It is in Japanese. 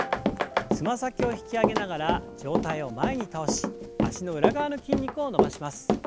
つま先を引き上げながら上体を前に倒し脚の裏側の筋肉を伸ばします。